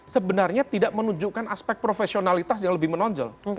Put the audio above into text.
sebenarnya tidak menunjukkan aspek profesionalitas yang lebih menonjol